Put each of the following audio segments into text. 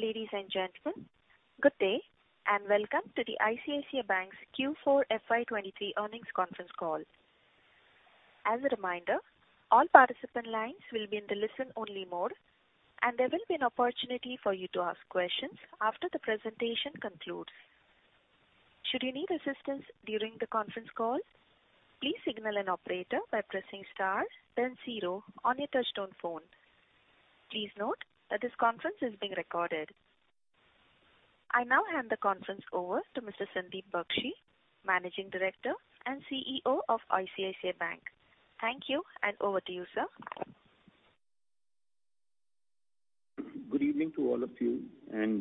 Ladies and gentlemen, good day and welcome to the ICICI Bank's Q4 FY23 earnings conference call. As a reminder, all participant lines will be in the listen-only mode, and there will be an opportunity for you to ask questions after the presentation concludes. Should you need assistance during the conference call, please signal an operator by pressing star then zero on your touchtone phone. Please note that this conference is being recorded. I now hand the conference over to Mr. Sandeep Bakhshi, Managing Director and CEO of ICICI Bank. Thank you, and over to you, sir. Good evening to all of you,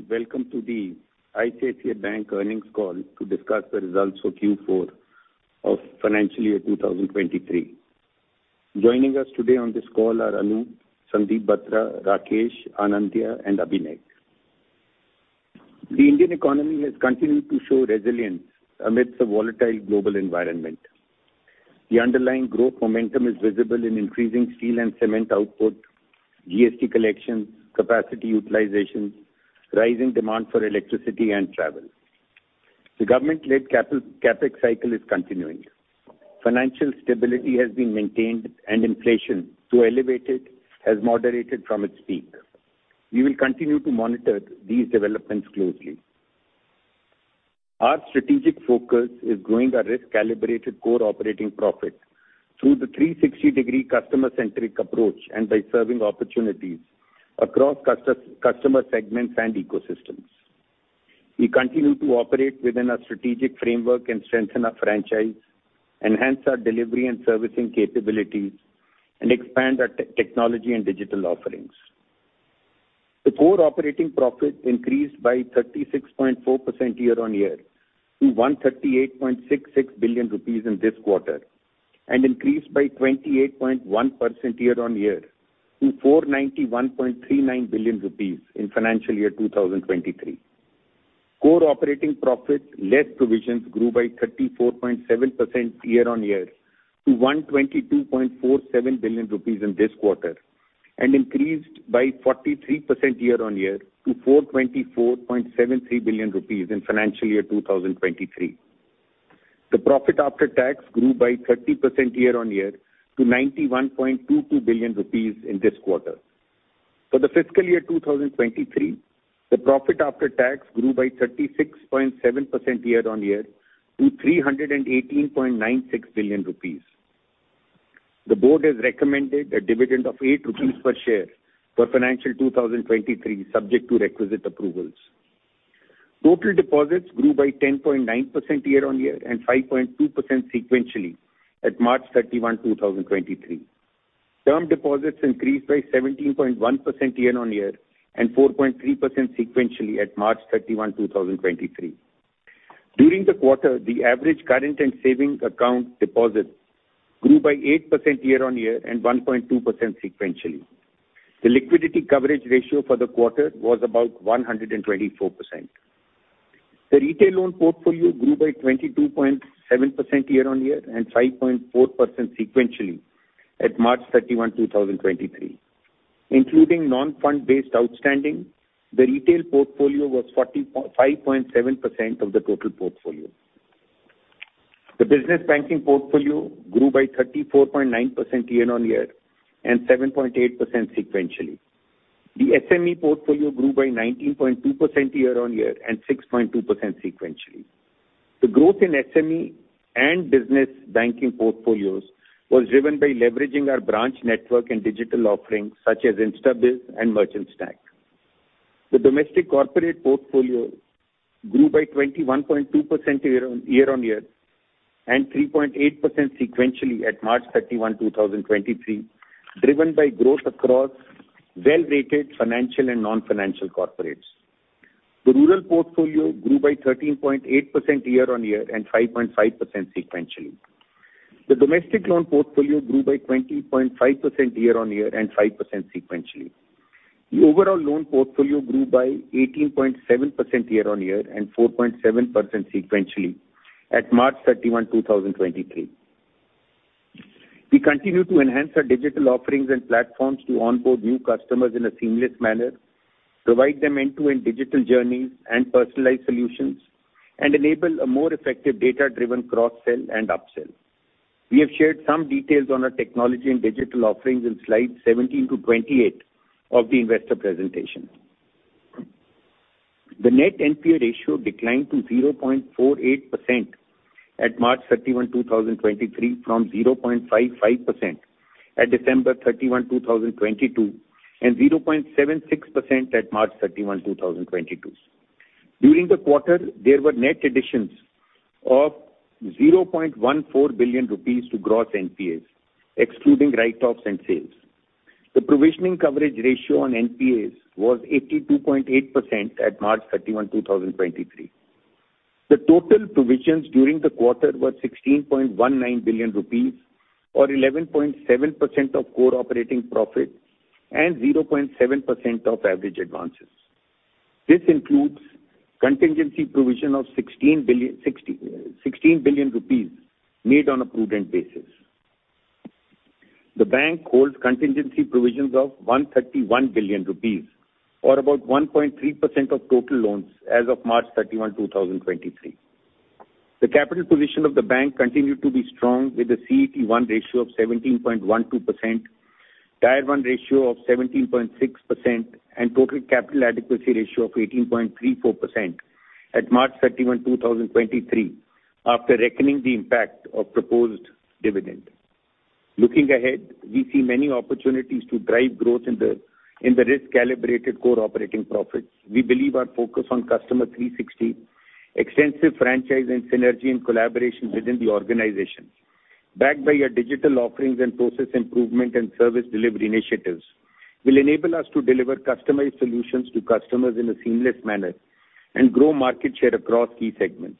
welcome to the ICICI Bank earnings call to discuss the results for Q4 of financial year 2023. Joining us today on this call are Anu, Sandeep Batra, Rakesh, Anandya and Abhinay. The Indian economy has continued to show resilience amidst a volatile global environment. The underlying growth momentum is visible in increasing steel and cement output, GST collections, capacity utilization, rising demand for electricity and travel. The government-led CapEx cycle is continuing. Financial stability has been maintained, inflation, though elevated, has moderated from its peak. We will continue to monitor these developments closely. Our strategic focus is growing our risk-calibrated core operating profit through the Customer 360° customer-centric approach and by serving opportunities across customer segments and ecosystems. We continue to operate within our strategic framework and strengthen our franchise, enhance our delivery and servicing capabilities, and expand our technology and digital offerings. Core operating profit increased by 36.4% year-on-year to 138.66 billion rupees in this quarter, and increased by 28.1% year-on-year to 491.39 billion rupees in financial year 2023. Core operating profit less provisions grew by 34.7% year-on-year to 122.47 billion rupees in this quarter, and increased by 43% year-on-year to 424.73 billion rupees in financial year 2023. Profit after tax grew by 30% year-on-year to 91.22 billion rupees in this quarter. For the fiscal year 2023, the profit after tax grew by 36.7% year-on-year to 318.96 billion rupees. The board has recommended a dividend of 8 rupees per share for financial 2023, subject to requisite approvals. Total deposits grew by 10.9% year-on-year and 5.2% sequentially at March 31, 2023. Term deposits increased by 17.1% year-on-year and 4.3% sequentially at March 31, 2023. During the quarter, the average current and savings account deposits grew by 8% year-on-year and 1.2% sequentially. The liquidity coverage ratio for the quarter was about 124%. The retail loan portfolio grew by 22.7% year-on-year and 5.4% sequentially at March 31, 2023. Including non-fund-based outstanding, the retail portfolio was 45.7% of the total portfolio. The business banking portfolio grew by 34.9% year-on-year and 7.8% sequentially. The SME portfolio grew by 19.2% year-on-year and 6.2% sequentially. The growth in SME and business banking portfolios was driven by leveraging our branch network and digital offerings such as InstaBIZ and Merchant Stack. The domestic corporate portfolio grew by 21.2% year-on-year and 3.8% sequentially at March 31, 2023, driven by growth across well-rated financial and non-financial corporates. The rural portfolio grew by 13.8% year-on-year and 5.5% sequentially. The domestic loan portfolio grew by 20.5% year-on-year and 5% sequentially. The overall loan portfolio grew by 18.7% year-on-year and 4.7% sequentially at March 31, 2023. We continue to enhance our digital offerings and platforms to onboard new customers in a seamless manner, provide them end-to-end digital journeys and personalized solutions, and enable a more effective data-driven cross-sell and up-sell. We have shared some details on our technology and digital offerings in slide 17-28 of the investor presentation. The net NPA ratio declined to 0.48% at March 31, 2023 from 0.55% at December 31, 2022, and 0.76% at March 31, 2022. During the quarter, there were net additions of 0.14 billion rupees to gross NPAs, excluding write-offs and sales. The provisioning coverage ratio on NPAs was 82.8% at March 31, 2023. The total provisions during the quarter were INR 16.19 billion, or 11.7% of core operating profit and 0.7% of average advances. This includes contingency provision of 16 billion rupees made on a prudent basis. The bank holds contingency provisions of 131 billion rupees, or about 1.3% of total loans as of March 31, 2023. The capital position of the bank continued to be strong with the CET1 ratio of 17.12%, Tier 1 ratio of 17.6%, and total capital adequacy ratio of 18.34% at March 31, 2023, after reckoning the impact of proposed dividend. Looking ahead, we see many opportunities to drive growth in the risk-calibrated core operating profits. We believe our focus on Customer 360, extensive franchise and synergy and collaboration within the organization, backed by our digital offerings and process improvement and service delivery initiatives, will enable us to deliver customized solutions to customers in a seamless manner and grow market share across key segments.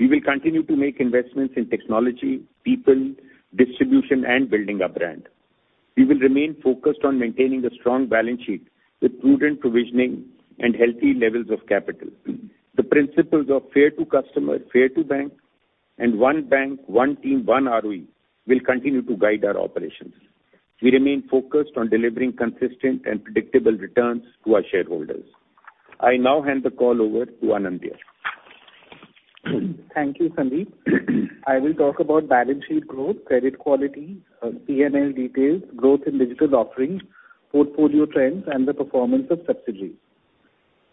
We will continue to make investments in technology, people, distribution, and building our brand. We will remain focused on maintaining a strong balance sheet with prudent provisioning and healthy levels of capital. The principles of fair to customer, fair to bank, and one bank, one team, one ROE will continue to guide our operations. We remain focused on delivering consistent and predictable returns to our shareholders. I now hand the call over to Anindya. Thank you, Sandeep. I will talk about balance sheet growth, credit quality, P&L details, growth in digital offerings, portfolio trends, and the performance of subsidiaries.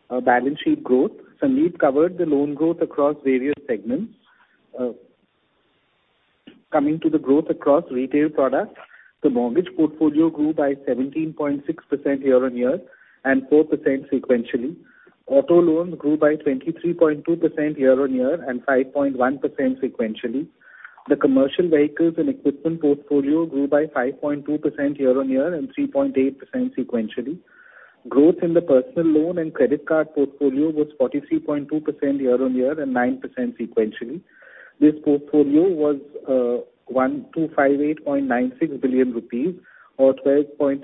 Our balance sheet growth. Sandeep covered the loan growth across various segments. Coming to the growth across retail products, the mortgage portfolio grew by 17.6% year-on-year and 4% sequentially. Auto loans grew by 23.2% year-on-year and 5.1% sequentially. The commercial vehicles and equipment portfolio grew by 5.2% year-on-year and 3.8% sequentially. Growth in the personal loan and credit card portfolio was 43.2% year-on-year and 9% sequentially. This portfolio was 1,258.96 billion rupees or 12.3%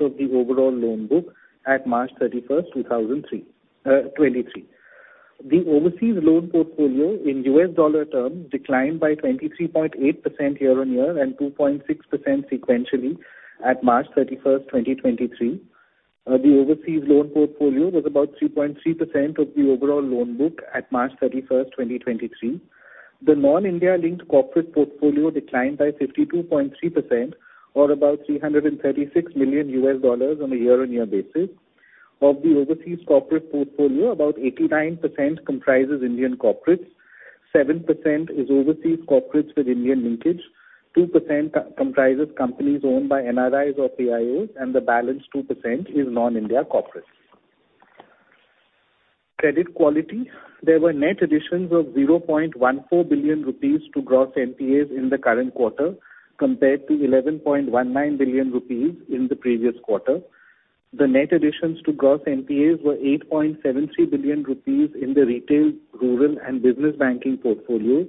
of the overall loan book at March 31, 2023. The overseas loan portfolio in US dollar terms declined by 23.8% year-on-year and 2.6% sequentially at March 31, 2023. The overseas loan portfolio was about 3.3% of the overall loan book at March 31, 2023. The non-India linked corporate portfolio declined by 52.3% or about $336 million on a year-on-year basis. Of the overseas corporate portfolio, about 89% comprises Indian corporates. 7% is overseas corporates with Indian linkage. 2% comprises companies owned by NRIs or PIOs, and the balance 2% is non-India corporates. Credit quality. There were net additions of 0.14 billion rupees to gross NPAs in the current quarter compared to 11.19 billion rupees in the previous quarter. The net additions to gross NPAs were 8.73 billion rupees in the retail, rural, and business banking portfolios,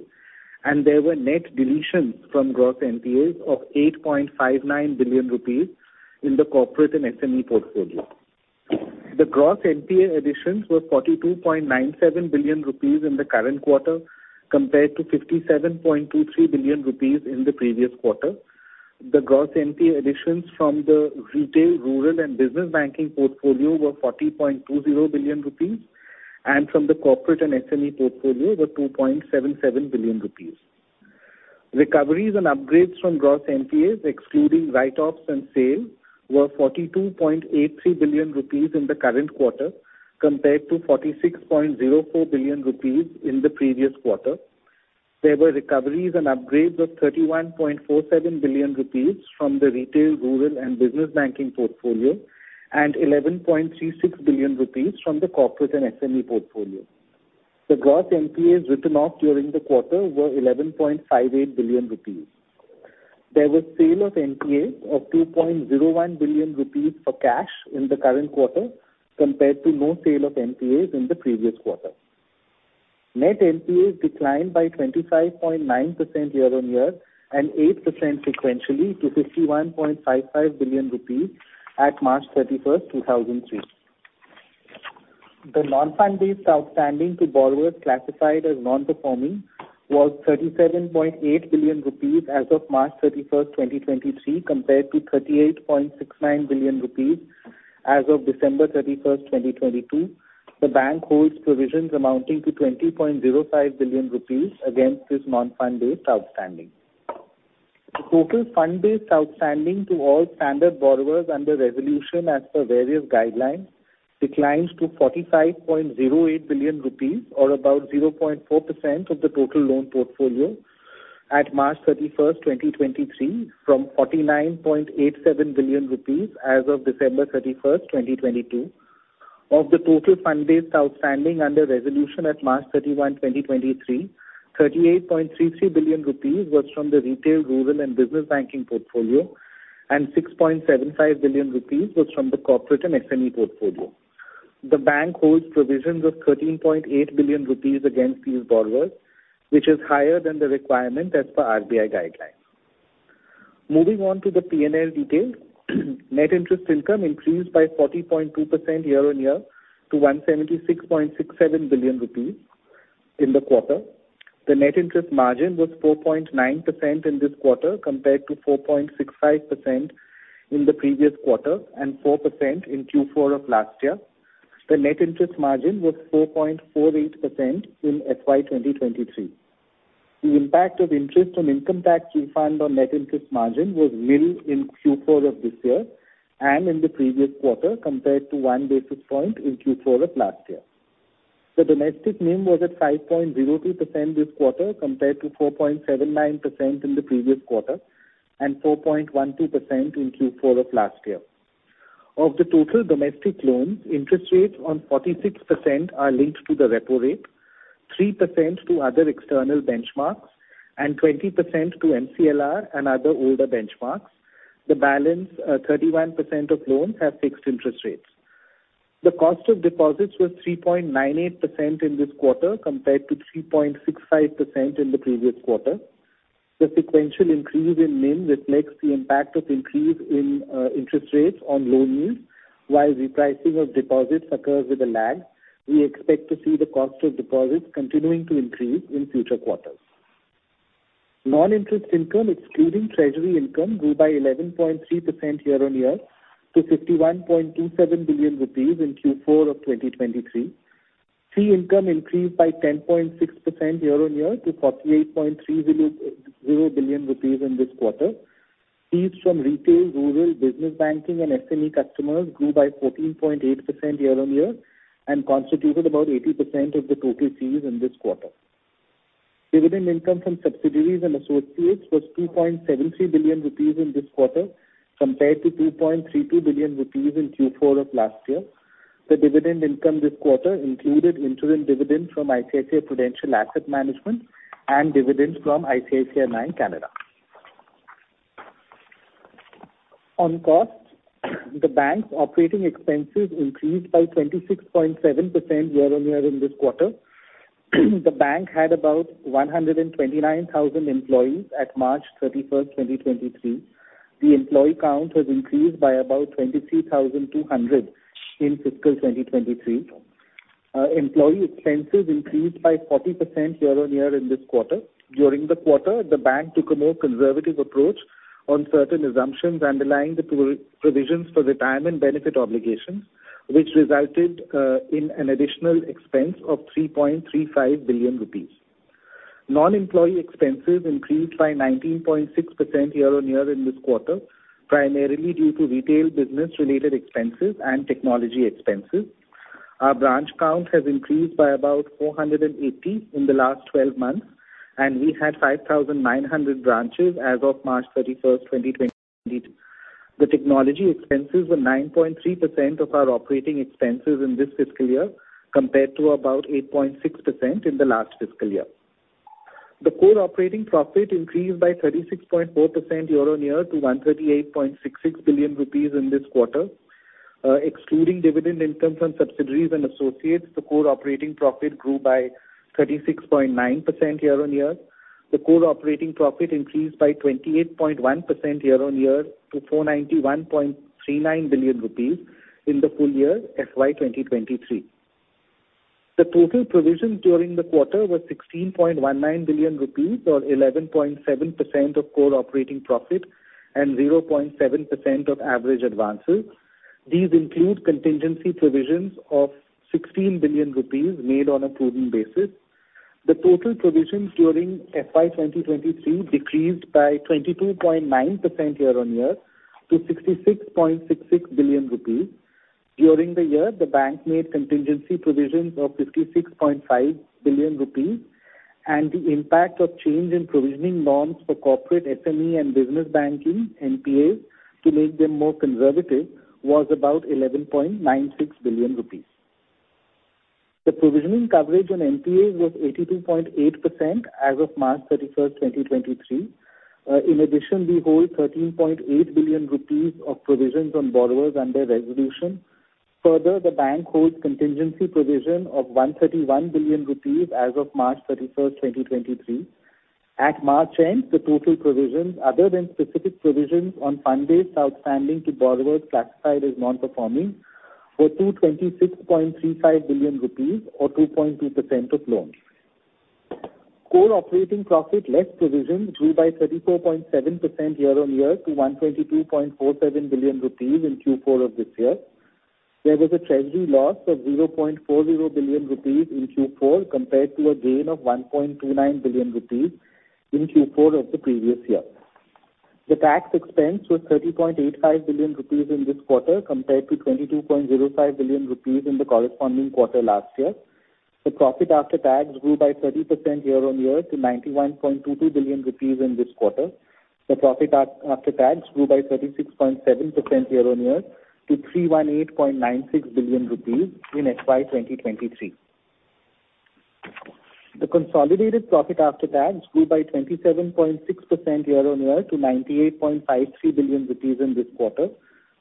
there were net deletions from gross NPAs of 8.59 billion rupees in the corporate and SME portfolio. The gross NPA additions were 42.97 billion rupees in the current quarter compared to 57.23 billion rupees in the previous quarter. The gross NPA additions from the retail, rural, and business banking portfolio were 40.20 billion rupees and from the corporate and SME portfolio were 2.77 billion rupees. Recoveries and upgrades from gross NPAs excluding write-offs and sales were 42.83 billion rupees in the current quarter compared to 46.04 billion rupees in the previous quarter. There were recoveries and upgrades of 31.47 billion rupees from the retail, rural, and business banking portfolio and 11.36 billion rupees from the corporate and SME portfolio. The gross NPAs written off during the quarter were 11.58 billion rupees. There was sale of NPAs of 2.01 billion rupees for cash in the current quarter compared to no sale of NPAs in the previous quarter. Net NPAs declined by 25.9% year-over-year and 8% sequentially to 51.55 billion rupees at March 31, 2003. The non-fund-based outstanding to borrowers classified as non-performing was 37.8 billion rupees as of March 31, 2023, compared to 38.69 billion rupees as of December 31, 2022. The bank holds provisions amounting to 20.05 billion rupees against this non-fund-based outstanding. The total fund-based outstanding to all standard borrowers under resolution as per various guidelines declines to 45.08 billion rupees or about 0.4% of the total loan portfolio at March 31, 2023 from 49.87 billion rupees as of December 31, 2022. Of the total fund-based outstanding under resolution at March 31, 2023, 38.33 billion rupees was from the retail, rural, and business banking portfolio and 6.75 billion rupees was from the corporate and SME portfolio. The bank holds provisions of 13.8 billion rupees against these borrowers, which is higher than the requirement as per RBI guidelines. Moving on to the P&L details. Net interest income increased by 40.2% year-on-year to 176.67 billion rupees. In the quarter. The net interest margin was 4.9% in this quarter compared to 4.65% in the previous quarter and 4% in Q4 of last year. The net interest margin was 4.48% in FY 2023. The impact of interest on income tax refund on net interest margin was nil in Q4 of this year and in the previous quarter compared to 1 basis point in Q4 of last year. The domestic NIM was at 5.02% this quarter compared to 4.79% in the previous quarter and 4.12% in Q4 of last year. Of the total domestic loans, interest rates on 46% are linked to the repo rate, 3% to other external benchmarks, and 20% to MCLR and other older benchmarks. The balance, 31% of loans have fixed interest rates. The cost of deposits was 3.98% in this quarter compared to 3.65% in the previous quarter. The sequential increase in NIM reflects the impact of increase in interest rates on loan yields. While repricing of deposits occurs with a lag, we expect to see the cost of deposits continuing to increase in future quarters. Non-interest income excluding treasury income grew by 11.3% year-on-year to 51.27 billion rupees in Q4 of 2023. Fee income increased by 10.6% year-on-year to 48.30 billion rupees in this quarter. Fees from retail, rural business banking and SME customers grew by 14.8% year-on-year and constituted about 80% of the total fees in this quarter. Dividend income from subsidiaries and associates was 2.73 billion rupees in this quarter compared to 2.32 billion rupees in Q4 of last year. The dividend income this quarter included interim dividends from ICICI Prudential Asset Management and dividends from ICICI Bank Canada. On costs, the bank's operating expenses increased by 26.7% year-on-year in this quarter. The bank had about 129,000 employees at March 31, 2023. The employee count has increased by about 23,200 in fiscal 2023. Employee expenses increased by 40% year-on-year in this quarter. During the quarter, the bank took a more conservative approach on certain assumptions underlying the provisions for retirement benefit obligations, which resulted in an additional expense of 3.35 billion rupees. Non-employee expenses increased by 19.6% year-on-year in this quarter, primarily due to retail business-related expenses and technology expenses. Our branch count has increased by about 480 in the last 12 months, and we had 5,900 branches as of March 31, 2023. The technology expenses were 9.3% of our operating expenses in this fiscal year compared to about 8.6% in the last fiscal year. The core operating profit increased by 36.4% year-on-year to 138.66 billion rupees in this quarter. Excluding dividend income from subsidiaries and associates, the core operating profit grew by 36.9% year-on-year. The core operating profit increased by 28.1% year-on-year to 491.39 billion rupees in the full year FY 2023. The total provisions during the quarter were 16.19 billion rupees, or 11.7% of core operating profit, and 0.7% of average advances. These include contingency provisions of 16 billion rupees made on a prudent basis. The total provisions during FY 2023 decreased by 22.9% year-on-year to 66.66 billion rupees. During the year, the bank made contingency provisions of 56.5 billion rupees, and the impact of change in provisioning norms for corporate SME and business banking NPAs to make them more conservative was about 11.96 billion rupees. The provisioning coverage on NPAs was 82.8% as of March 31, 2023. In addition, we hold 13.8 billion rupees of provisions on borrowers under resolution. Further, the bank holds contingency provision of 131 billion rupees as of March 31, 2023. At March end, the total provisions, other than specific provisions on fund-based outstanding to borrowers classified as non-performing, were 226.35 billion rupees or 2.2% of loans. Core operating profit, less provisions, grew by 34.7% year-on-year to 122.47 billion rupees in Q4 of this year. There was a treasury loss of 0.40 billion rupees in Q4 compared to a gain of 1.29 billion rupees in Q4 of the previous year. The tax expense was 30.85 billion rupees in this quarter compared to 22.05 billion rupees in the corresponding quarter last year. The profit after tax grew by 30% year-on-year to 91.22 billion rupees in this quarter. The profit after tax grew by 36.7% year-on-year to 318.96 billion rupees in FY 2023. The consolidated profit after tax grew by 27.6% year-on-year to 98.53 billion rupees in this quarter.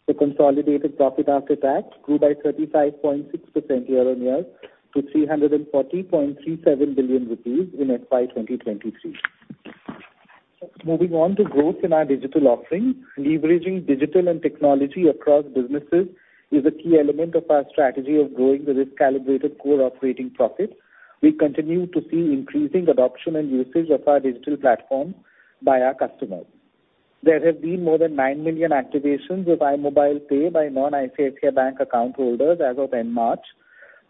The consolidated profit after tax grew by 35.6% year-on-year to INR 340.37 billion in FY 2023. Moving on to growth in our digital offerings. Leveraging digital and technology across businesses is a key element of our strategy of growing the risk-calibrated core operating profit. We continue to see increasing adoption and usage of our digital platform by our customers. There have been more than 9 million activations of iMobile Pay by non-ICICI Bank account holders as of end March.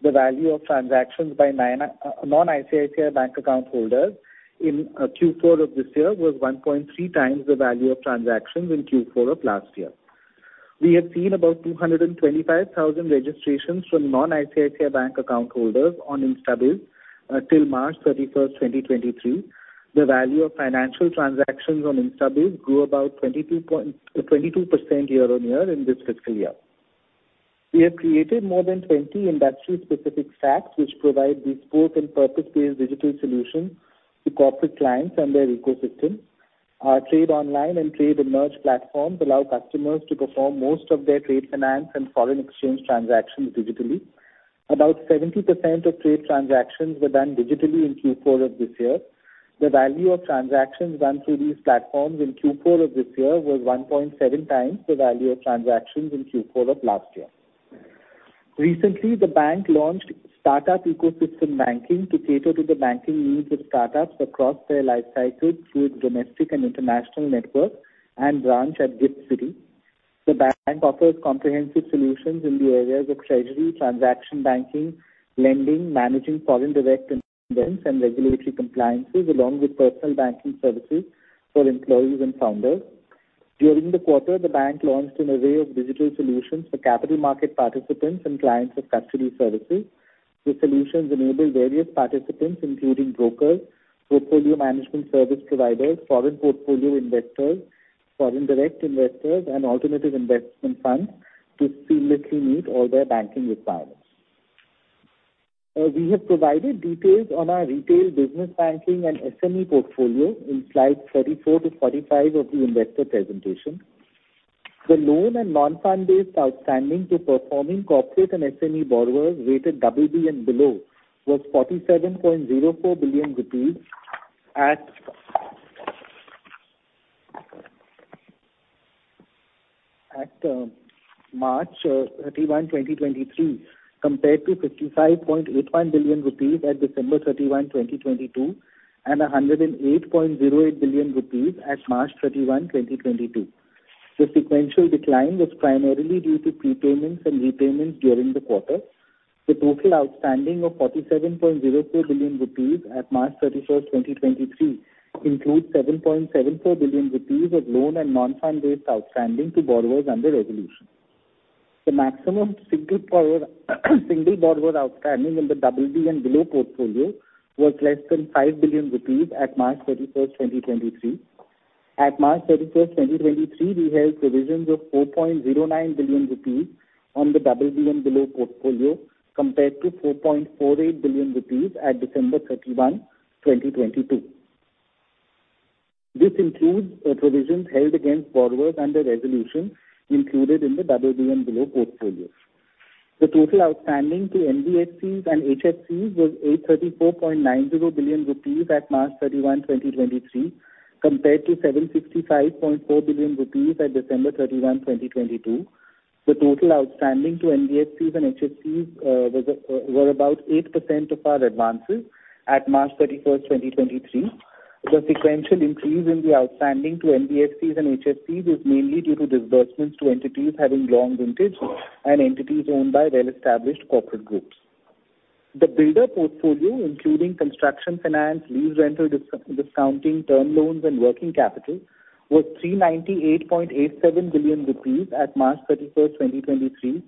The value of transactions by non-ICICI Bank account holders in Q4 of this year was 1.3 times the value of transactions in Q4 of last year. We have seen about 225,000 registrations from non-ICICI Bank account holders on Instabill till March 31, 2023. The value of financial transactions on Instabill grew about 22% year-on-year in this fiscal year. We have created more than 20 industry specific stacks which provide bespoke and purpose-based digital solutions to corporate clients and their ecosystem. Our Trade Online and Trade Emerge platforms allow customers to perform most of their trade finance and foreign exchange transactions digitally. About 70% of trade transactions were done digitally in Q4 of this year. The value of transactions run through these platforms in Q4 of this year was 1.7 times the value of transactions in Q4 of last year. Recently, the bank launched startup ecosystem banking to cater to the banking needs of startups across their lifecycle through its domestic and international network and branch at Gift City. The bank offers comprehensive solutions in the areas of treasury, transaction banking, lending, managing foreign direct investments and regulatory compliances, along with personal banking services for employees and founders. During the quarter, the bank launched an array of digital solutions for capital market participants and clients of custody services. The solutions enable various participants, including brokers, portfolio management service providers, foreign portfolio investors, foreign direct investors and alternative investment funds to seamlessly meet all their banking requirements. We have provided details on our retail business banking and SME portfolio in slides 44 to 45 of the investor presentation. The loan and non-fund based outstanding to performing corporate and SME borrowers rated BB and below was 47.04 billion rupees at March 31, 2023, compared to 55.81 billion rupees at December 31, 2022, and 108.08 billion rupees at March 31, 2022. The sequential decline was primarily due to prepayments and repayments during the quarter. The total outstanding of INR 47.04 billion at March 31, 2023 includes INR 7.74 billion of loan and non-fund based outstanding to borrowers under resolution. The maximum single borrower outstanding in the BB and below portfolio was less than 5 billion rupees at March 31, 2023. At March 31, 2023, we held provisions of 4.09 billion rupees on the BB and below portfolio compared to 4.48 billion rupees at December 31, 2022. This includes provisions held against borrowers under resolution included in the BB and below portfolios. The total outstanding to NBFCs and HFCs was 834.90 billion rupees at March 31, 2023, compared to 765.4 billion rupees at December 31, 2022. The total outstanding to NBFCs and HFCs were about 8% of our advances at March 31, 2023. The sequential increase in the outstanding to NBFCs and HFCs was mainly due to disbursements to entities having long vintage and entities owned by well-established corporate groups. The builder portfolio, including construction finance, lease rental dis-discounting, term loans and working capital, was 398.87 billion rupees at March 31, 2023,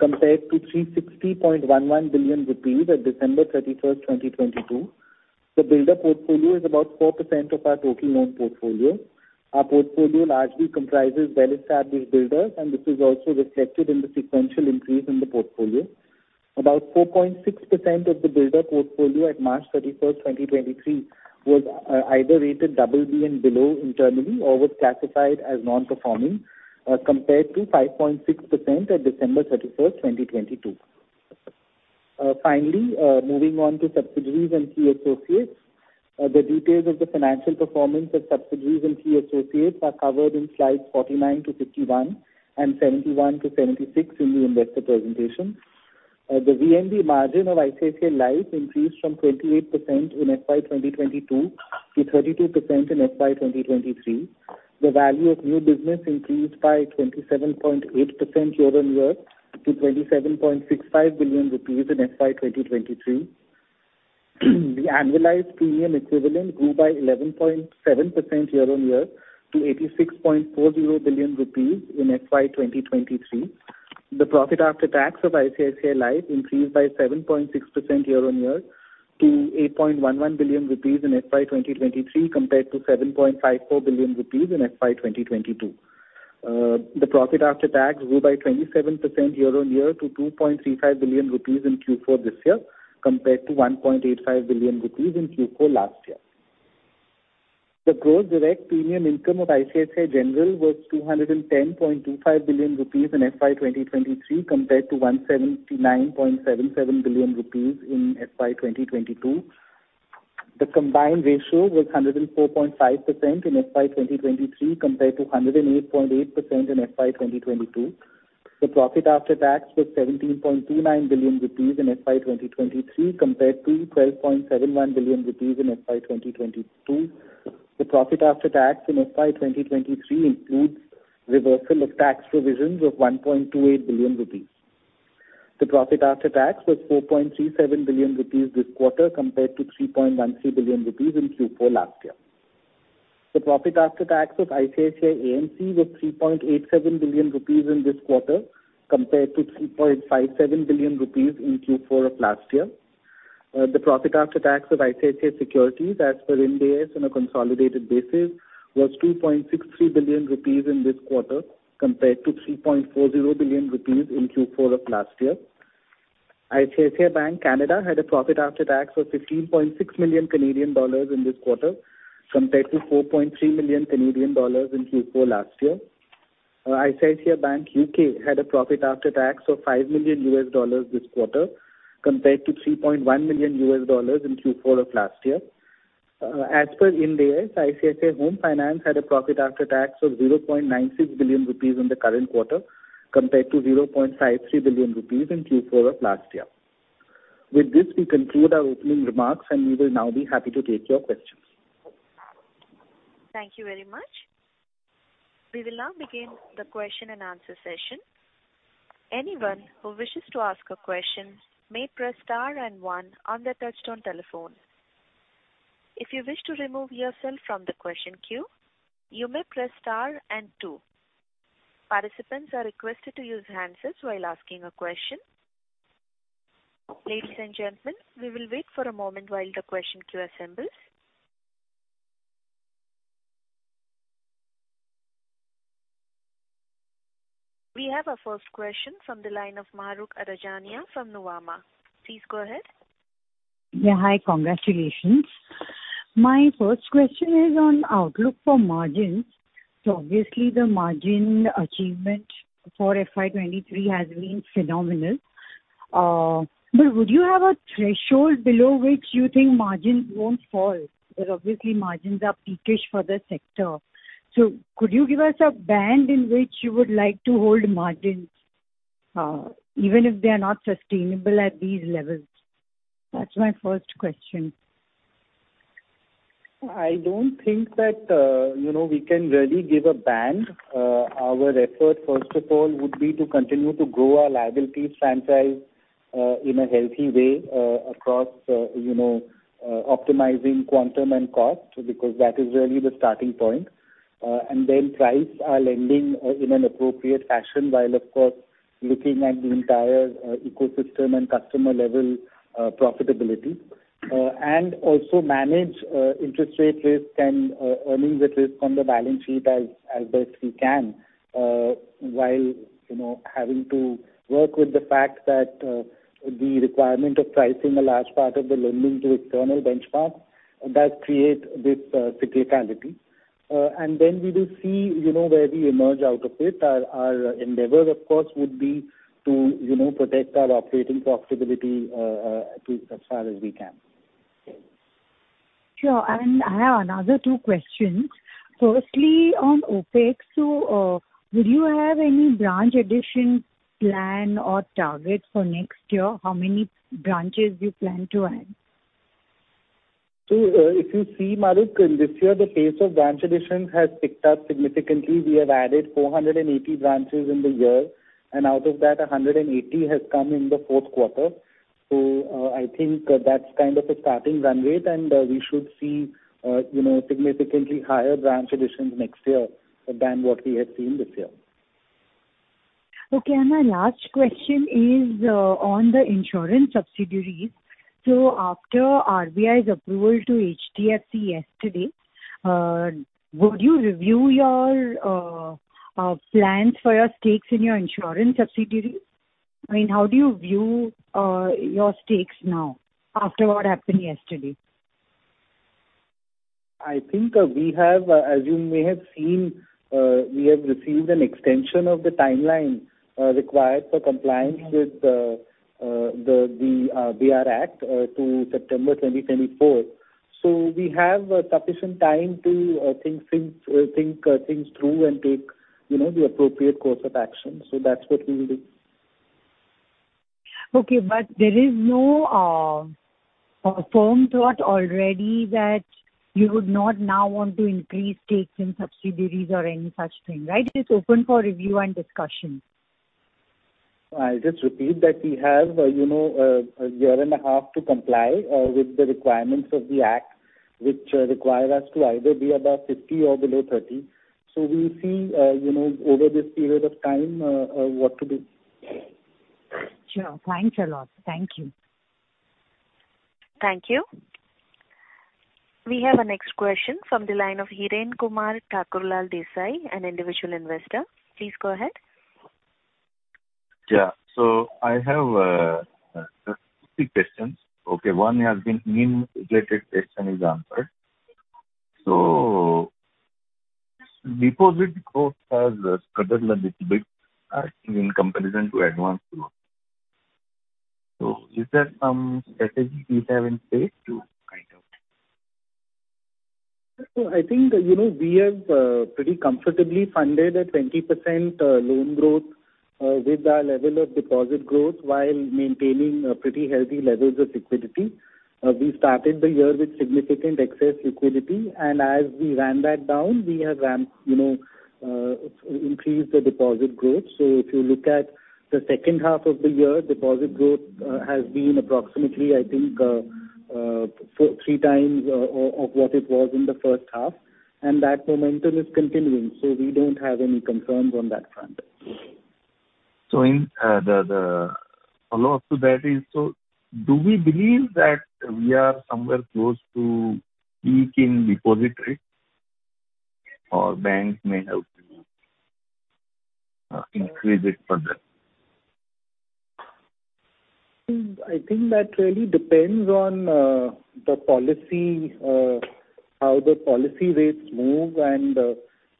compared to 360.11 billion rupees at December 31, 2022. The builder portfolio is about 4% of our total loan portfolio. Our portfolio largely comprises well-established builders, and this is also reflected in the sequential increase in the portfolio. About 4.6% of the builder portfolio at March 31, 2023 was either rated BB and below internally or was classified as non-performing, compared to 5.6% at December 31, 2022. Finally, moving on to subsidiaries and key associates. The details of the financial performance of subsidiaries and key associates are covered in slides 49-51 and 71-76 in the investor presentation. The VNB margin of ICICI Life increased from 28% in FY 2022 to 32% in FY 2023. The value of new business increased by 27.8% year-on-year to 27.65 billion rupees in FY 2023. The annualized premium equivalent grew by 11.7% year-on-year to 86.40 billion rupees in FY 2023. The profit after tax of ICICI Life increased by 7.6% year-on-year to 8.11 billion rupees in FY 2023, compared to 7.54 billion rupees in FY 2022. The profit after tax grew by 27% year-on-year to 2.35 billion rupees in Q4 this year, compared to 1.85 billion rupees in Q4 last year. The gross direct premium income of ICICI General was 210.25 billion rupees in FY 2023 compared to 179.77 billion rupees in FY 2022. The combined ratio was 104.5% in FY 2023, compared to 108.8% in FY 2022. The profit after tax was 17.29 billion rupees in FY 2023, compared to 12.71 billion rupees in FY 2022. The profit after tax in FY 2023 includes reversal of tax provisions of 1.28 billion rupees. The profit after tax was 4.37 billion rupees this quarter, compared to 3.13 billion rupees in Q4 last year. The profit after tax of ICICI AMC was 3.87 billion rupees in this quarter, compared to 3.57 billion rupees in Q4 of last year. The profit after tax of ICICI Securities, as per Ind AS on a consolidated basis, was 2.63 billion rupees in this quarter, compared to 3.40 billion rupees in Q4 of last year. ICICI Bank Canada had a profit after tax of 15.6 million Canadian dollars in this quarter, compared to 4.3 million Canadian dollars in Q4 last year. ICICI Bank UK had a profit after tax of $5 million this quarter, compared to $3.1 million in Q4 of last year. As per Ind AS, ICICI Home Finance had a profit after tax of 0.96 billion rupees in the current quarter, compared to 0.53 billion rupees in Q4 of last year. With this, we conclude our opening remarks, we will now be happy to take your questions. Thank you very much. We will now begin the question and answer session. Anyone who wishes to ask a question may press star and one on their touchtone telephone. If you wish to remove yourself from the question queue, you may press star and two. Participants are requested to use handsets while asking a question. Ladies and gentlemen, we will wait for a moment while the question queue assembles. We have our first question from the line of Mahrukh Adajania from Nuvama. Please go ahead. Yeah, hi. Congratulations. My first question is on outlook for margins. Obviously, the margin achievement for FY 23 has been phenomenal. Would you have a threshold below which you think margins won't fall? Because obviously margins are peak-ish for the sector. Could you give us a band in which you would like to hold margins, even if they are not sustainable at these levels? That's my first question. I don't think that, you know, we can really give a band. Our effort, first of all, would be to continue to grow our liabilities franchise, in a healthy way, across, you know, optimizing quantum and cost, because that is really the starting point. Then price our lending, in an appropriate fashion, while of course, looking at the entire ecosystem and customer-level profitability. Also manage interest rate risk and earnings at risk on the balance sheet as best we can, while, you know, having to work with the fact that the requirement of pricing a large part of the lending to external benchmark that create this cyclicality. Then we will see, you know, where we emerge out of it. Our endeavor, of course, would be to, you know, protect our operating profitability to as far as we can. Sure. I have another two questions. Firstly, on OpEx. Will you have any branch addition plan or target for next year? How many branches do you plan to add? If you see, Mahrukh, this year the pace of branch additions has picked up significantly. We have added 480 branches in the year, and out of that, 180 has come in the fourth quarter. I think that's kind of a starting run rate and we should see, you know, significantly higher branch additions next year than what we have seen this year. Okay. My last question is on the insurance subsidiaries. After RBI's approval to HDFC yesterday, would you review your plans for your stakes in your insurance subsidiaries? I mean, how do you view your stakes now after what happened yesterday? I think, we have, as you may have seen, we have received an extension of the timeline, required for compliance with, the DR Act, to September 2024. We have sufficient time to think things through and take, you know, the appropriate course of action. That's what we will do. Okay. There is no firm thought already that you would not now want to increase stakes in subsidiaries or any such thing, right? It is open for review and discussion. I'll just repeat that we have, you know, a year and a half to comply with the requirements of the act, which require us to either be above 50 or below 30. We'll see, you know, over this period of time, what to do. Sure. Thanks a lot. Thank you. Thank you. We have our next question from the line of Hiren Kumar Thakorlal Desai, an individual investor. Please go ahead. Yeah. I have three questions. Okay. One has been, NIM-related question is answered. Deposit growth has scattered a little bit in comparison to advance growth. Is there some strategy you have in place to find out? I think, you know, we have pretty comfortably funded a 20% loan growth with our level of deposit growth while maintaining pretty healthy levels of liquidity. We started the year with significant excess liquidity, and as we ran that down, we have ran, you know, increased the deposit growth. If you look at the second half of the year, deposit growth has been approximately, I think, 3 times of what it was in the first half, and that momentum is continuing, so we don't have any concerns on that front. In the follow-up to that is, so do we believe that we are somewhere close to peak in deposit rate or banks may have to increase it further? I think that really depends on the policy, how the policy rates move and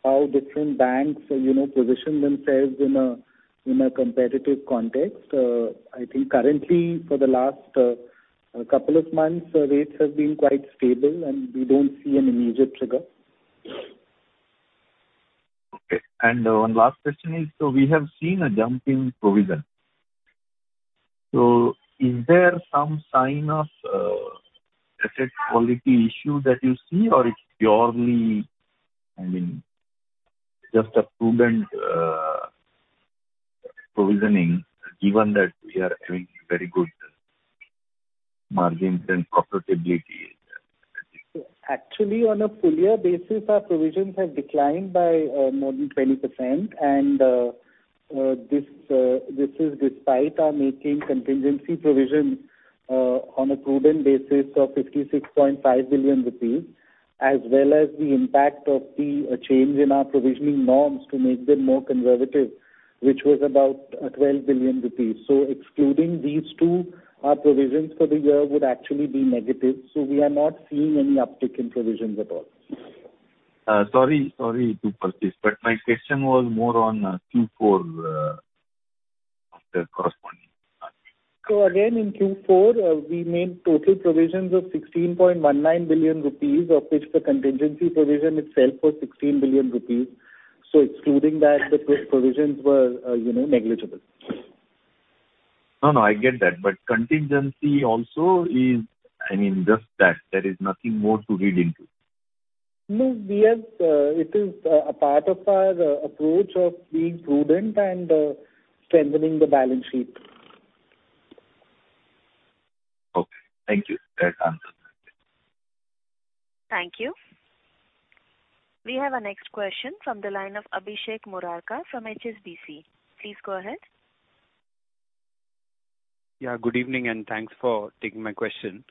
how different banks, you know, position themselves in a competitive context. I think currently for the last couple of months, rates have been quite stable and we don't see an immediate trigger. Okay. One last question is, we have seen a jump in provision. Is there some sign of asset quality issue that you see or it's purely, I mean, just a prudent provisioning given that we are having very good margins and profitability? Actually, on a full year basis, our provisions have declined by more than 20%. This is despite our making contingency provisions on a prudent basis of 56.5 billion rupees as well as the impact of the change in our provisioning norms to make them more conservative, which was about 12 billion rupees. Excluding these two, our provisions for the year would actually be negative, so we are not seeing any uptick in provisions at all. Sorry. Sorry to persist, but my question was more on, Q4, of the corresponding margin. Again, in Q4, we made total provisions of 16.19 billion rupees, of which the contingency provision itself was 16 billion rupees. Excluding that, the provisions were, you know, negligible. No, no, I get that. Contingency also is, I mean, just that, there is nothing more to read into. No, we have, it is a part of our approach of being prudent and, strengthening the balance sheet. Okay. Thank you. That answers that. Thank you. We have our next question from the line of Abhishek Murarka from HSBC. Please go ahead. Good evening, and thanks for taking my question.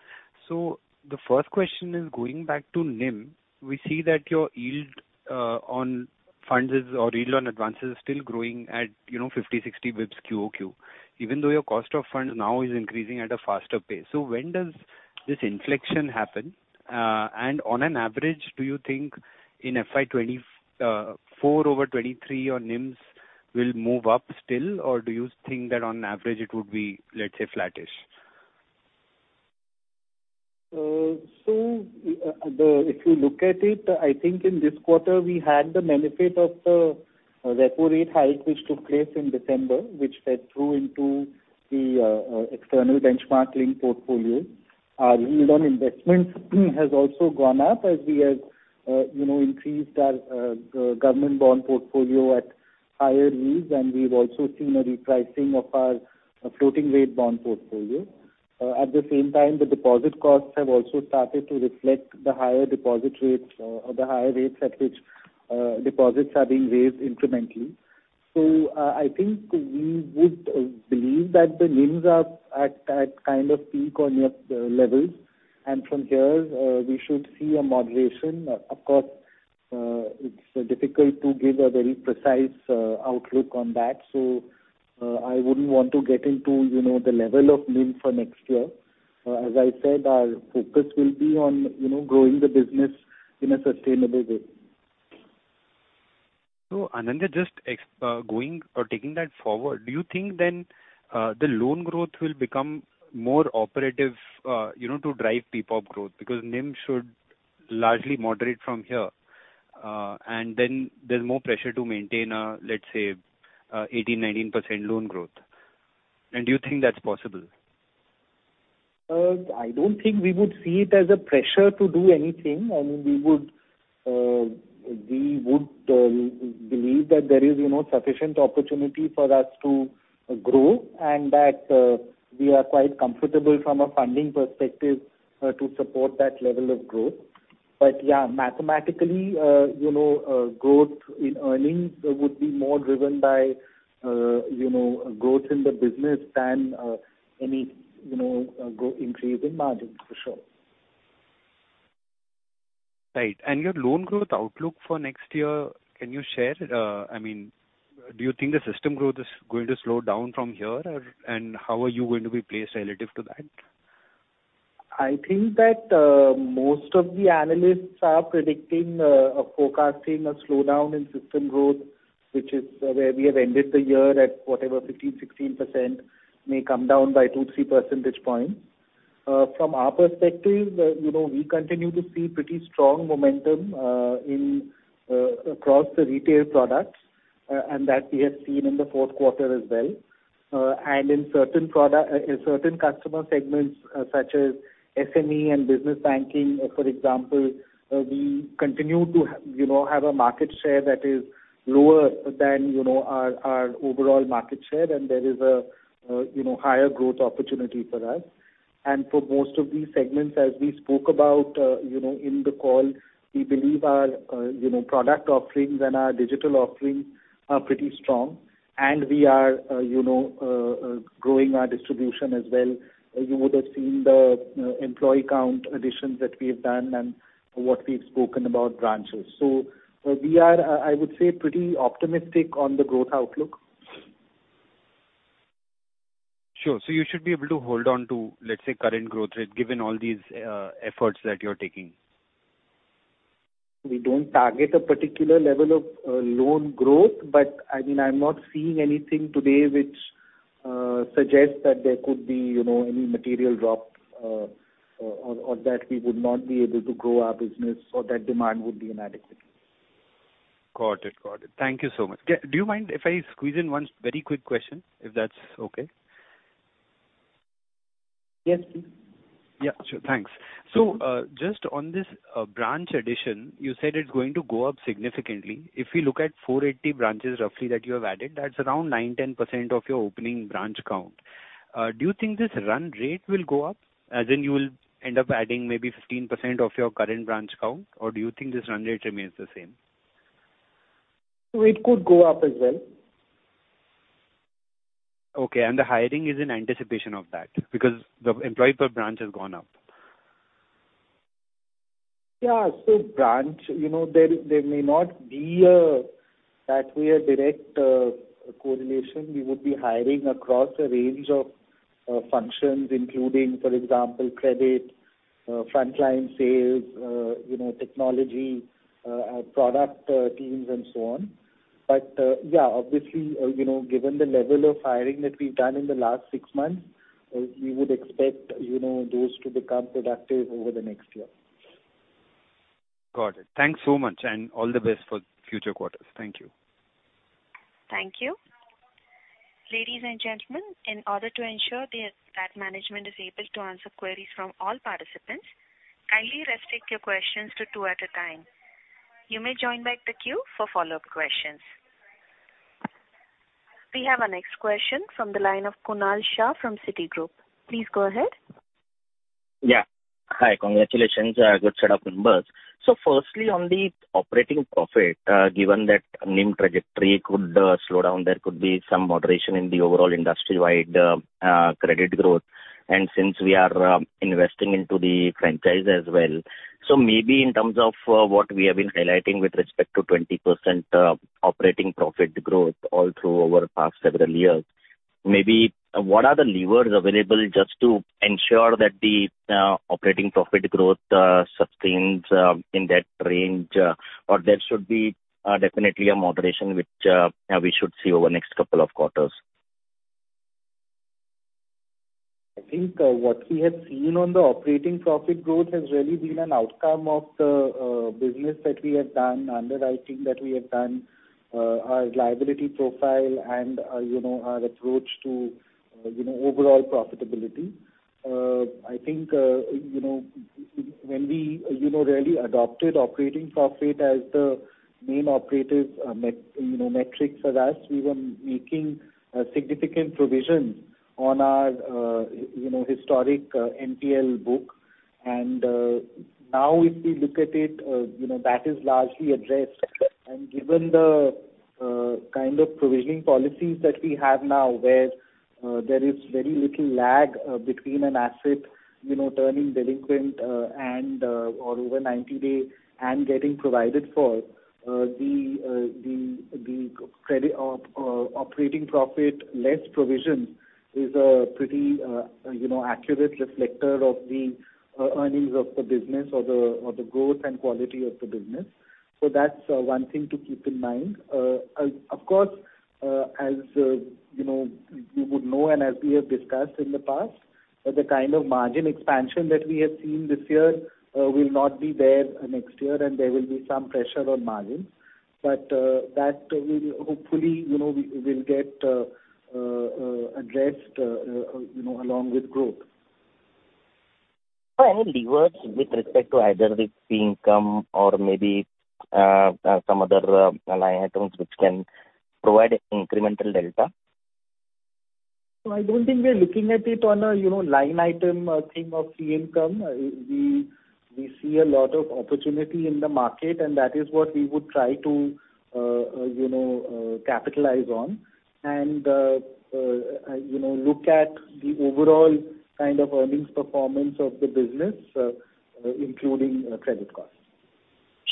The first question is going back to NIM. We see that your yield on funds is or yield on advances is still growing at, you know, 50, 60 basis points QOQ, even though your cost of funds now is increasing at a faster pace. When does this inflection happen? And on an average, do you think in FY2024 over 2023 your NIMs will move up still or do you think that on average it would be, let's say, flattish? The, if you look at it, I think in this quarter we had the benefit of the repo rate hike which took place in December, which fed through into the external benchmark linked portfolio. Our yield on investments has also gone up as we have, you know, increased our government bond portfolio at higher yields and we've also seen a repricing of our floating rate bond portfolio. At the same time, the deposit costs have also started to reflect the higher deposit rates or the higher rates at which deposits are being raised incrementally. I think we would believe that the NIMs are at kind of peak on your levels and from here, we should see a moderation. Of course, it's difficult to give a very precise outlook on that. I wouldn't want to get into, you know, the level of NIM for next year. As I said, our focus will be on, you know, growing the business in a sustainable way. Ananda, just going or taking that forward, do you think then the loan growth will become more operative, you know, to drive PPoP growth because NIM should largely moderate from here, and then there's more pressure to maintain, let's say, 18%, 19% loan growth. Do you think that's possible? I don't think we would see it as a pressure to do anything. I mean, we would believe that there is, you know, sufficient opportunity for us to grow and that we are quite comfortable from a funding perspective, to support that level of growth. Yeah, mathematically, you know, growth in earnings would be more driven by, you know, growth in the business than any, you know, increase in margins for sure. Right. your loan growth outlook for next year, can you share? I mean, do you think the system growth is going to slow down from here? How are you going to be placed relative to that? I think that, most of the analysts are predicting or forecasting a slowdown in system growth, which is where we have ended the year at whatever 15%-16% may come down by 2-3 percentage points. From our perspective, you know, we continue to see pretty strong momentum in across the retail products, and that we have seen in the fourth quarter as well. In certain customer segments such as SME and business banking, for example, we continue to you know, have a market share that is lower than, you know, our overall market share. There is a, you know, higher growth opportunity for us. For most of these segments, as we spoke about, you know, in the call, we believe our, you know, product offerings and our digital offerings are pretty strong and we are, you know, growing our distribution as well. You would have seen the employee count additions that we have done and what we've spoken about branches. We are, I would say, pretty optimistic on the growth outlook. Sure. You should be able to hold on to, let's say, current growth rate, given all these efforts that you're taking. We don't target a particular level of loan growth, but I mean, I'm not seeing anything today which suggests that there could be, you know, any material drop, or that we would not be able to grow our business or that demand would be inadequate. Got it. Got it. Thank you so much. Do you mind if I squeeze in one very quick question, if that's okay? Yes, please. Yeah, sure. Thanks. Just on this branch addition, you said it's going to go up significantly. If we look at 480 branches roughly that you have added, that's around 9%-10% of your opening branch count. Do you think this run rate will go up? As in you will end up adding maybe 15% of your current branch count, or do you think this run rate remains the same? It could go up as well. Okay. The hiring is in anticipation of that because the employee per branch has gone up. Yeah. Branch, you know, there may not be a, that way a direct correlation. We would be hiring across a range of functions, including for example, credit, front line sales, you know, technology, our product teams and so on. Yeah, obviously, you know, given the level of hiring that we've done in the last 6 months, we would expect, you know, those to become productive over the next year. Got it. Thanks so much. All the best for future quarters. Thank you. Thank you. Ladies and gentlemen, in order to ensure that management is able to answer queries from all participants, kindly restrict your questions to 2 at a time. You may join back the queue for follow-up questions. We have our next question from the line of Kunal Shah from Citigroup. Please go ahead. Yeah. Hi. Congratulations. Good set of numbers. Firstly, on the operating profit, given that NIM trajectory could slow down, there could be some moderation in the overall industry-wide credit growth since we are investing into the franchise as well. Maybe in terms of what we have been highlighting with respect to 20% operating profit growth all through over past several years, maybe what are the levers available just to ensure that the operating profit growth sustains in that range? Or there should be definitely a moderation which we should see over next couple of quarters? I think, what we have seen on the operating profit growth has really been an outcome of the business that we have done, underwriting that we have done, our liability profile and, you know, our approach to, you know, overall profitability. I think, you know, when we, you know, really adopted operating profit as the main operative, you know, metric for us, we were making a significant provision on our, you know, historic, NPL book. Now if we look at it, you know, that is largely addressed. Given the kind of provisioning policies that we have now, where there is very little lag between an asset, you know, turning delinquent and or over 90 days and getting provided for, the credit operating profit, less provision is a pretty, you know, accurate reflector of the earnings of the business or the growth and quality of the business. That's one thing to keep in mind. Of course, as you know, you would know and as we have discussed in the past, the kind of margin expansion that we have seen this year, will not be there next year, and there will be some pressure on margins, but that will hopefully, you know, we will get addressed, you know, along with growth. Are any levers with respect to either the fee income or maybe some other line items which can provide incremental delta? I don't think we are looking at it on a, you know, line item, thing of fee income. We see a lot of opportunity in the market. That is what we would try to, you know, capitalize on and, you know, look at the overall kind of earnings performance of the business, including credit costs.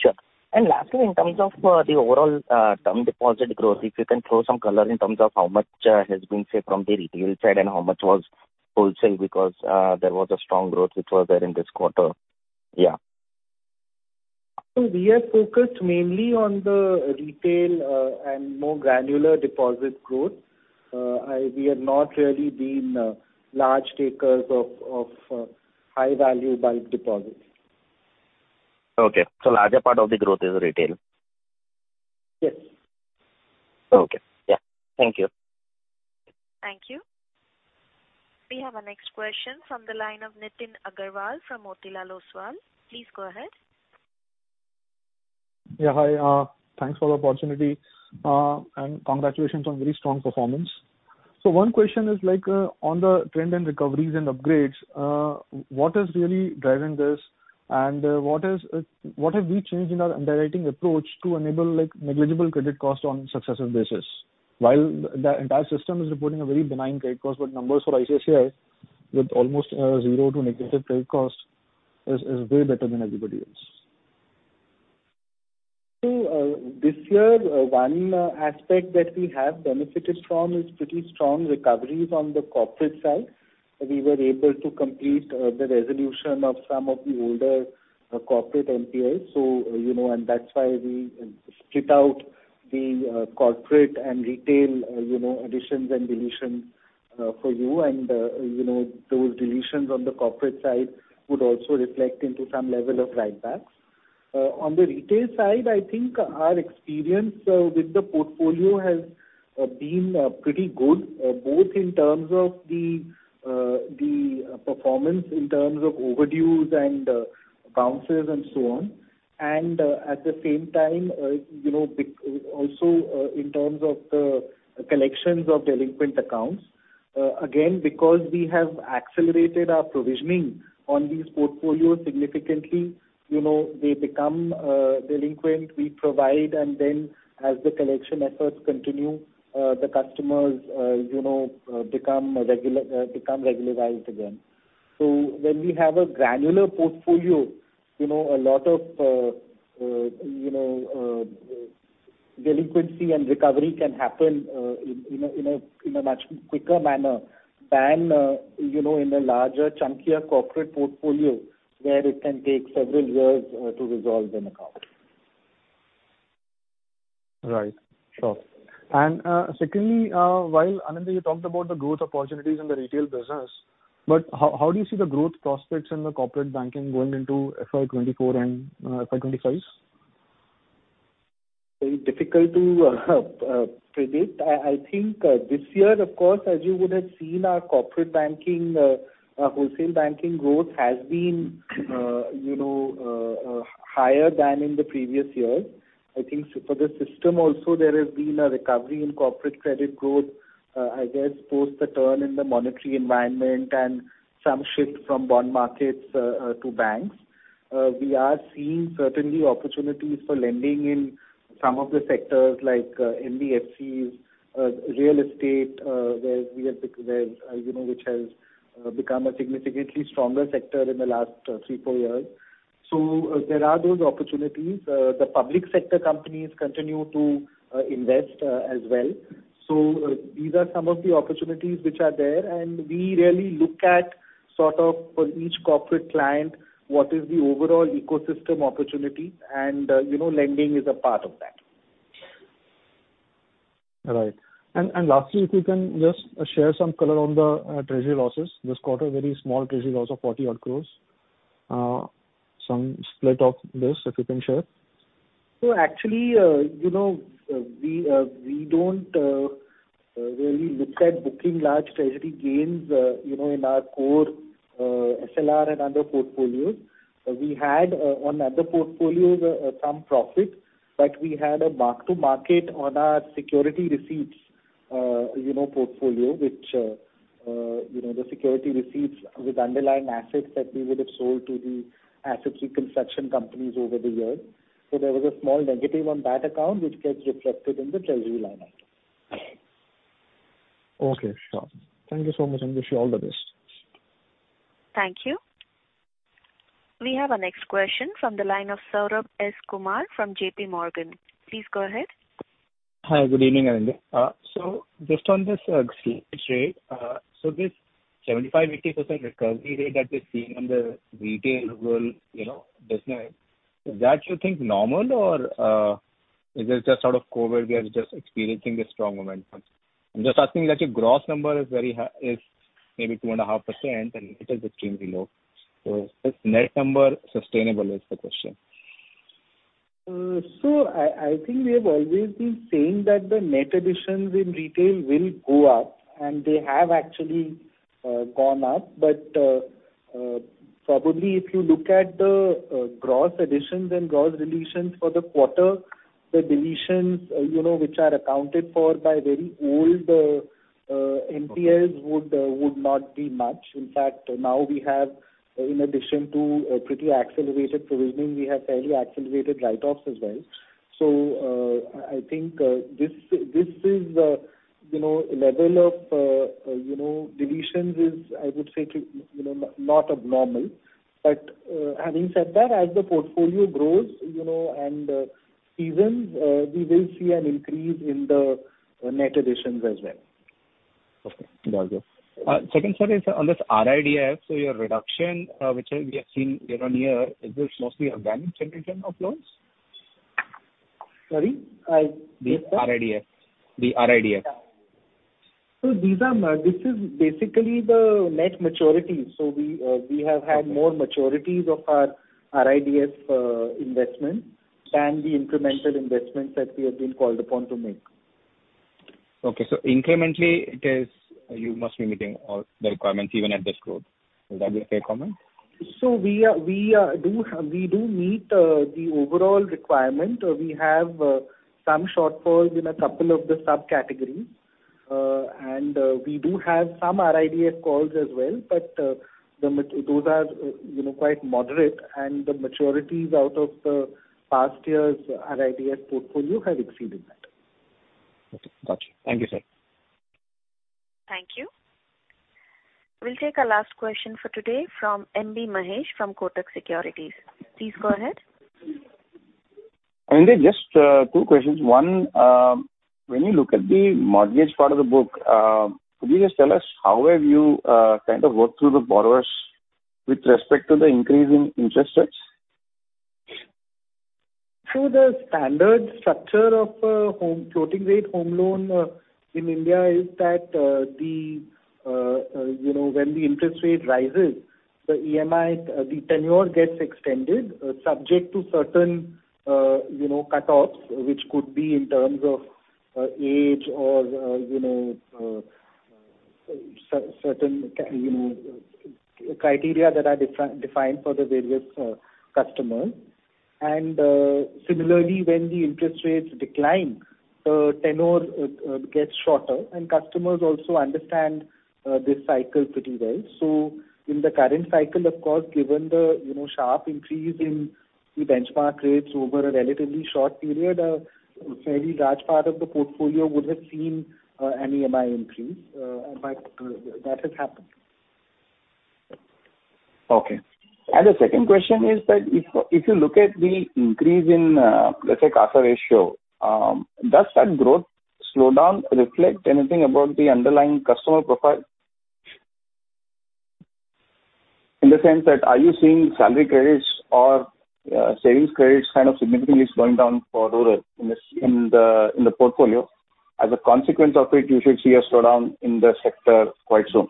Sure. Lastly, in terms of the overall Term Deposit growth, if you can throw some color in terms of how much has been saved from the retail side and how much was wholesale because there was a strong growth which was there in this quarter. Yeah. We are focused mainly on the retail and more granular deposit growth. We have not really been large takers of high value bulk deposits. Okay. larger part of the growth is retail. Yes. Okay. Yeah. Thank you. Thank you. We have our next question from the line of Nitin Aggarwal from Motilal Oswal. Please go ahead. Yeah, hi. Thanks for the opportunity. Congratulations on very strong performance. One question is like, on the trend and recoveries and upgrades, what is really driving this? What have we changed in our underwriting approach to enable like negligible credit cost on successive basis while the entire system is reporting a very benign credit cost, numbers for ICICI with almost zero to negative credit cost is way better than everybody else. This year, one aspect that we have benefited from is pretty strong recoveries on the corporate side. We were able to complete the resolution of some of the older corporate NPL. You know, and that's why we split out the corporate and retail, you know, additions and deletions for you. You know, those deletions on the corporate side would also reflect into some level of write backs. On the retail side, I think our experience with the portfolio has been pretty good, both in terms of the performance in terms of overdues and bounces and so on. At the same time, you know, also, in terms of the collections of delinquent accounts, again, because we have accelerated our provisioning on these portfolios significantly, you know, they become delinquent. We provide and then as the collection efforts continue, the customers, you know, become regularized again. When we have a granular portfolio, you know, a lot of, you know, delinquency and recovery can happen in a much quicker manner than, you know, in a larger chunkier corporate portfolio where it can take several years to resolve an account. Right. Sure. Secondly, while, Ananda, you talked about the growth opportunities in the retail business, but how do you see the growth prospects in the corporate banking going into FY24 and, FY25? Very difficult to predict. I think this year of course, as you would have seen our corporate banking, our wholesale banking growth has been higher than in the previous years. I think for the system also there has been a recovery in corporate credit growth. I guess post the turn in the monetary environment and some shift from bond markets to banks. We are seeing certainly opportunities for lending in some of the sectors like NBFCs, real estate, where we have, where, you know, which has become a significantly stronger sector in the last 3, 4 years. So there are those opportunities. The public sector companies continue to invest as well. These are some of the opportunities which are there, and we really look at sort of for each corporate client, what is the overall ecosystem opportunity, and, you know, lending is a part of that. Right. Lastly, if you can just share some color on the treasury losses. This quarter, very small treasury loss of 40 odd crores. Some split of this if you can share? Actually, you know, we don't really look at booking large treasury gains, you know, in our core SLR and other portfolios. We had on other portfolios some profit, but we had a mark to market on our security receipts, you know, portfolio which, you know, the security receipts with underlying assets that we would have sold to the asset reconstruction companies over the years. There was a small negative on that account which gets reflected in the treasury line item. Okay. Sure. Thank you so much. Wish you all the best. Thank you. We have our next question from the line of Saurabh S. Kumar from JPMorgan. Please go ahead. Hi, good evening, Ananda. Just on this slippage rate, this 75%-80% recovery rate that we're seeing on the retail, you know, business, is that you think normal or is it just out of COVID, we are just experiencing a strong momentum? I'm just asking that your gross number is very high, is maybe 2.5% and retail is extremely low. Is this net number sustainable is the question. I think we have always been saying that the net additions in retail will go up, and they have actually gone up. Probably if you look at the gross additions and gross deletions for the quarter, the deletions, you know, which are accounted for by very old NPLs would not be much. In fact, now we have in addition to a pretty accelerated provisioning, we have fairly accelerated write-offs as well. So I think this is, you know, a level of, you know, deletions is, I would say to, you know, not abnormal. Having said that, as the portfolio grows, you know, and evens, we will see an increase in the net additions as well. Okay. Got you. second set is on this RIDF. Your reduction, which, we have seen year-on-year, is this mostly organic generation of loans? Sorry. I missed that. The RIDF. The RIDF. This is basically the net maturities. We have had more maturities of our RIDF investment than the incremental investments that we have been called upon to make. Okay. Incrementally it is, you must be meeting all the requirements even at this growth. Is that a fair comment? We do meet the overall requirement. We have some shortfalls in a couple of the subcategories. We do have some RIDF calls as well, but those are, you know, quite moderate and the maturities out of the past year's RIDF portfolio have exceeded that. Okay. Got you. Thank you, sir. Thank you. We'll take our last question for today from M.B. Mahesh from Kotak Securities. Please go ahead. Anand, just 2 questions. 1, when you look at the mortgage part of the book, could you just tell us how have you, kind of worked through the borrowers with respect to the increase in interest rates? The standard structure of a home, floating rate home loan in India is that when the interest rate rises, the EMI, the tenure gets extended, subject to certain cutoffs, which could be in terms of age or certain criteria that are defined for the various customers. Similarly, when the interest rates decline, the tenure gets shorter and customers also understand this cycle pretty well. In the current cycle, of course, given the sharp increase in the benchmark rates over a relatively short period, a fairly large part of the portfolio would have seen an EMI increase. That has happened. Okay. The second question is that if you look at the increase in, let's say, CASA ratio, does that growth slow down reflect anything about the underlying customer profile? In the sense that are you seeing salary credits or savings credits kind of significantly slowing down for rural in the portfolio as a consequence of it, you should see a slowdown in the sector quite soon.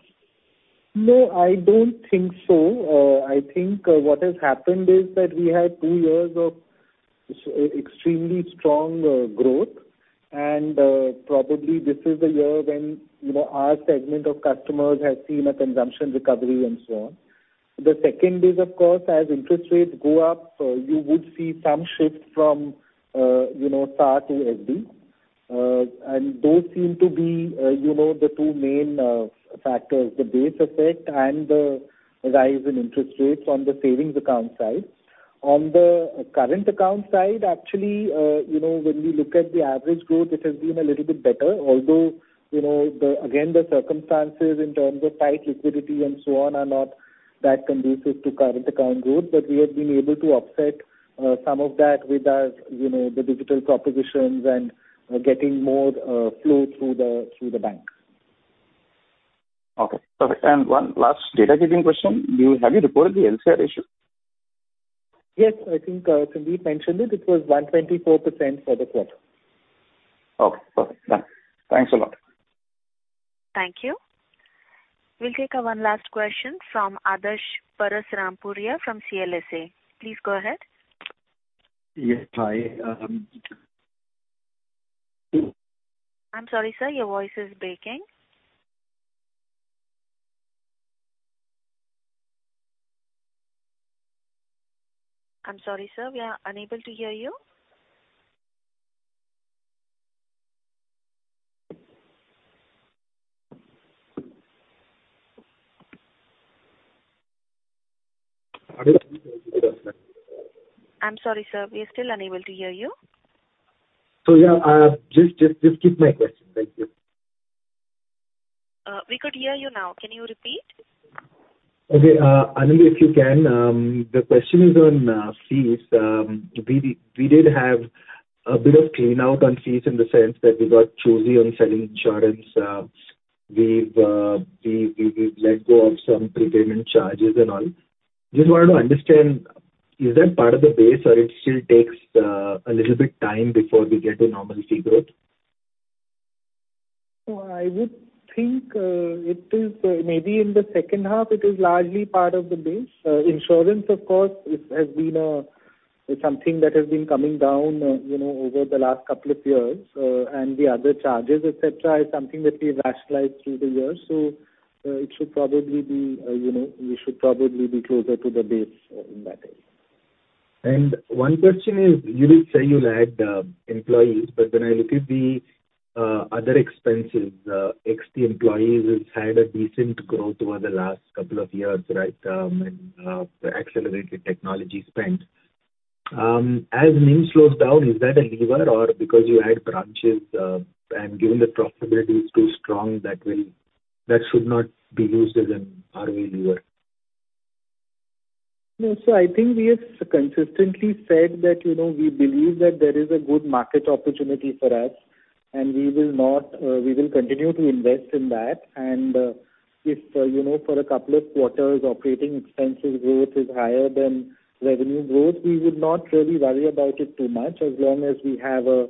No, I don't think so. I think what has happened is that we had 2 years of extremely strong growth. Probably this is the year when, you know, our segment of customers has seen a consumption recovery and so on. The second is of course, as interest rates go up, you would see some shift from, you know, SA to TD. Those seem to be, you know, the 2 main factors, the base effect and the rise in interest rates on the savings account side. On the current account side, actually, you know, when we look at the average growth, it has been a little bit better. Although, you know, the, again, the circumstances in terms of tight liquidity and so on are not that conducive to current account growth. We have been able to offset, some of that with our, you know, the digital propositions and, getting more, flow through the, through the bank. Okay. Perfect. One last data digging question. Have you reported the LCR ratio? Yes. I think, Sandeep mentioned it. It was 124% for the quarter. Okay. Perfect. Done. Thanks a lot. Thank you. We'll take one last question from Adarsh Parasrampuria from CLSA. Please go ahead. Yes. Hi. I'm sorry, sir, your voice is breaking. I'm sorry, sir, we are unable to hear you. I'm sorry, sir, we are still unable to hear you. Yeah. Just skip my question. Thank you. We could hear you now. Can you repeat? Okay. Anand, if you can, the question is on fees. We did have a bit of clean out on fees in the sense that we got choosy on selling insurance. We've let go of some prepayment charges and all. Just wanted to understand, is that part of the base or it still takes a little bit time before we get to normal fee growth? I would think, it is, maybe in the second half it is largely part of the base. Insurance of course is, has been, something that has been coming down, you know, over the last couple of years. The other charges, et cetera, is something that we've rationalized through the years. It should probably be, you know, we should probably be closer to the base, in that area. One question is you did say you'll add employees, but when I look at the other expenses, ex the employees has had a decent growth over the last couple of years, right? The accelerated technology spend. As NIM slows down, is that a lever or because you add branches, and given the profitability is too strong, that should not be used as an RV lever? No. I think we have consistently said that, you know, we believe that there is a good market opportunity for us, and we will not, we will continue to invest in that. If, you know, for a couple of quarters operating expenses growth is higher than revenue growth, we would not really worry about it too much as long as we have a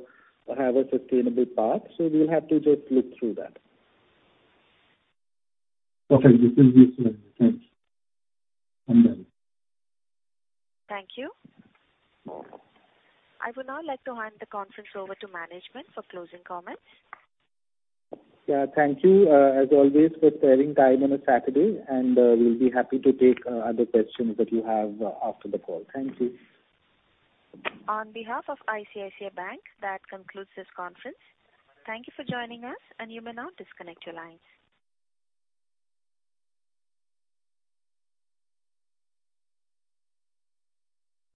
sustainable path. We'll have to just look through that. Perfect. This is useful. Thanks. I'm done. Thank you. I would now like to hand the conference over to management for closing comments. Yeah, thank you, as always for sparing time on a Saturday. We'll be happy to take, other questions that you have after the call. Thank you. On behalf of ICICI Bank, that concludes this conference. Thank you for joining us, and you may now disconnect your lines.